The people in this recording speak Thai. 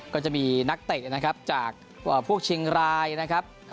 ก็จะมีนักเตะนะครับจากพวกเชียงรายนะครับ